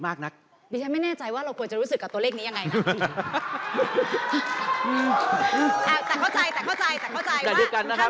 อ่าอ่าเข้าใจ